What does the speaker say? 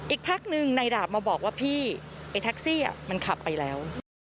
อีกพักนึงนายดาบมาบอกพี่ไอ้ทักซี่มันขับไปแล้ว